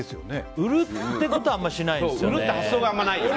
売るっていうことはあんまりしないですね。